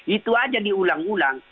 itu saja diulang ulang